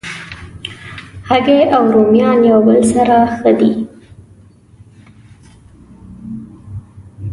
هګۍ او رومیان یو بل سره ښه دي.